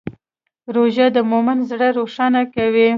روژه د مؤمن زړه روښانه کوي.